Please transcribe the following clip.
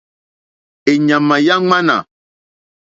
Èɲàmà yà ŋwánà.